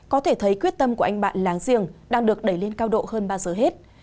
có thể thấy quyết tâm của anh bạn láng giềng đang được đẩy lên cao độ hơn bao giờ hết